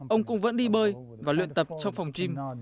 ông cũng vẫn đi bơi và luyện tập trong phòng gym